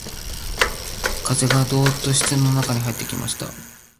風がどうっと室の中に入ってきました